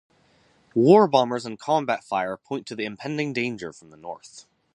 War bombers and combat fire point to the impending danger from the north.